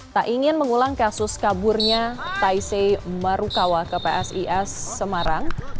tak ingin mengulang kasus kaburnya taise marukawa ke psis semarang